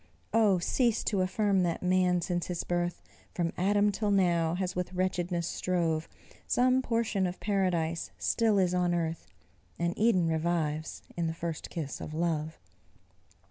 Oh! cease to affirm that man, since his birth, From Adam till now, has with wretchedness strove; Some portion of paradise still is on earth, And Eden revives in the first kiss of love.